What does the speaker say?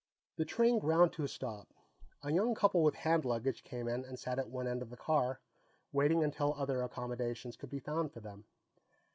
The train ground to a stop. A young couple with hand luggage came in and sat at one end of the car, waiting until other accommodations could be found for them.